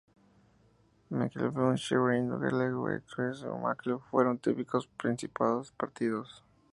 Mecklemburgo-Schwerin, Werle, Mecklemburgo-Güstrow y Mecklemburgo-Strelitz fueron típicos principados partidos.